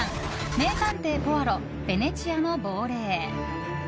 「名探偵ポアロ：ベネチアの亡霊」。